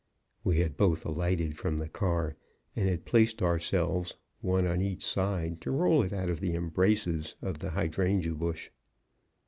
(We had both alighted from the car and had placed ourselves, one on each side, to roll it out of the embraces of the hydrangea bush.)